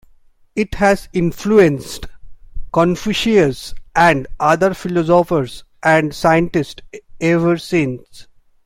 It has influenced Confucians and other philosophers and scientists ever since.